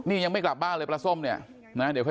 อือแต่กลายเป็นปลาส้มหายไปไหนก็ไม่รู้